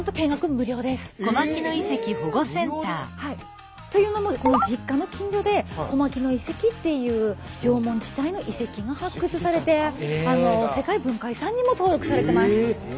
無料で？というのも実家の近所で「小牧野遺跡」っていう縄文時代の遺跡が発掘されて世界文化遺産にも登録されてます。